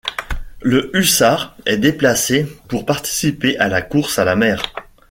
Le Hussards est déplacé pour participer à la Course à la mer.